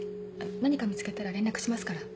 何か見つけたら連絡しますから。